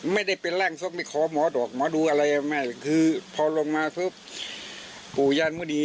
ไม่ได้เป็นแรงซ่อมไม่ขอหมอดอกหมอดูอะไรแม่คือพอลงมาปุ๋ยานมูดี